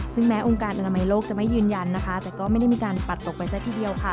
ซึ่งแม้องค์การอนามัยโลกจะไม่ยืนยันนะคะแต่ก็ไม่ได้มีการปัดตกไปซะทีเดียวค่ะ